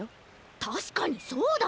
たしかにそうだ！